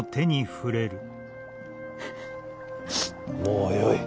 もうよい。